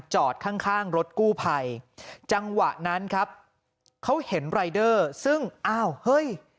จอดข้างข้างรถกู้ภัยจังหวะนั้นครับเขาเห็นรายเดอร์ซึ่งอ้าวเฮ้ย